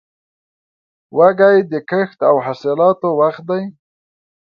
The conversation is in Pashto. وږی د کښت او حاصلاتو وخت دی.